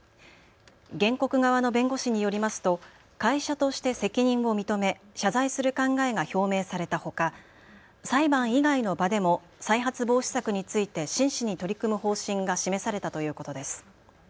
原告側の弁護士によりますと会社として責任を認め、謝罪する考えが表明されたほか裁判以外の場でも再発防止策について真摯に取り組む方針が示されたということです。